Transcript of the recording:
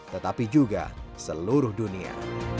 tetapi juga seluruh dunia